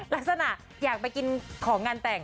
ลักษณะอยากไปกินของงานแต่ง